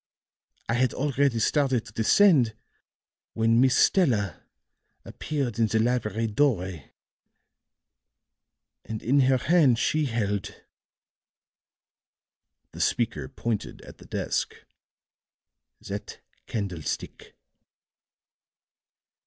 "I had already started to descend when Miss Stella appeared in the library doorway and in her hand she held," the speaker pointed at the desk, "that candlestick."